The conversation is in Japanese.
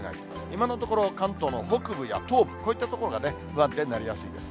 今のところ、関東の北部や東部、こういった所が不安定になりやすいです。